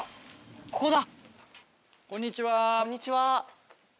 ここだ！